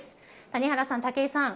谷原さん、武井さん